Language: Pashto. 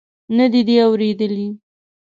نه دې دي اورېدلي.